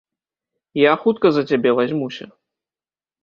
Я хутка за цябе вазьмуся.